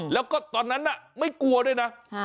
แล้วก็ตอนนั้นไม่กลัวด้วยนะ